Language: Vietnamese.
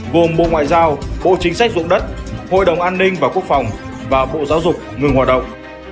gồm bộ ngoại giao bộ chính sách dụng đất hội đồng an ninh và quốc phòng và bộ giáo dục ngừng hoạt động